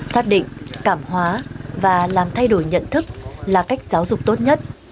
xác định cảm hóa và làm thay đổi nhận thức là cách giáo dục tốt nhất